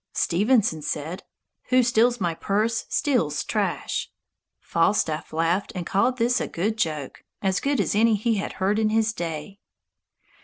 Stevenson said, "Who steals my purse steals trash." Falstaff laughed and called this a good joke, as good as any he had heard in his day.